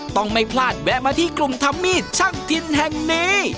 ต้องไม่พลาดแวะมาที่กลุ่มทำมีดช่างถิ่นแห่งนี้